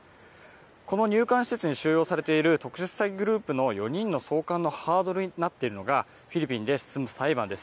この入管施設に収容されている特殊詐欺グループの４人の送還のハードルになっているのがフィリピンで進む裁判です。